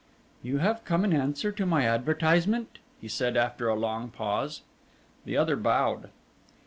"You have come in answer to my advertisement," he said after a long pause. The other bowed.